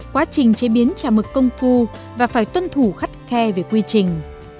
quá trình chế biến chả mực công cụ và phải tuân thủ khắt khe về quy trình